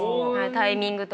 タイミングとか。